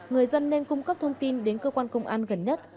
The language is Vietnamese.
người dân nên cung cấp thông tin đến cơ quan công an gần nhất